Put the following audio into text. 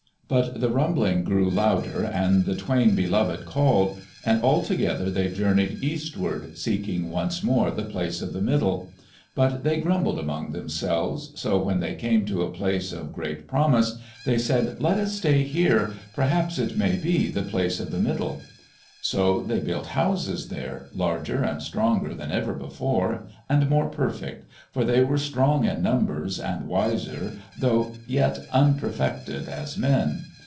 But the rumbling grew louder and the Twain Beloved called, and all together they journeyed eastward, seeking once more the Place of the Middle. But they grumbled amongst themselves, so when they came to a place of great promise, they said, "Let us stay here. Perhaps it may be the Place of the Middle." So they built houses there, larger and stronger than ever before, and more perfect, for they were strong in numbers and wiser, though yet unperfected as men.